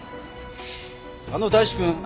あの大地くん